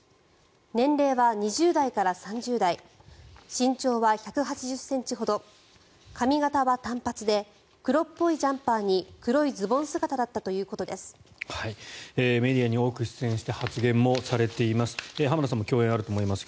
年齢は２０代から３０代身長は１８０ｃｍほど髪形は短髪で黒っぽいジャンパーに黒いズボン姿だったということです。